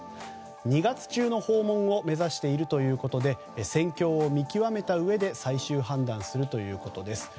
２月中の訪問を目指しているということで戦況を見極めたうえで最終判断するということです。